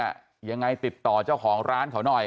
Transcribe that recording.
ยังไงติดต่อเจ้าของร้านเขาหน่อย